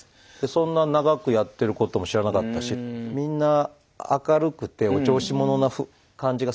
そんな長くやってることも知らなかったしみんな明るくてお調子者な感じが少しずつするっていうのが。